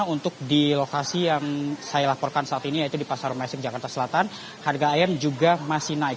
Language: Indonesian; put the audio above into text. untuk di lokasi yang saya laporkan saat ini yaitu di pasar mesir jakarta selatan harga ayam juga masih naik